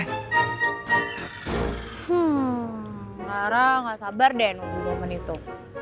hmm rara gak sabar deh nunggu momen itu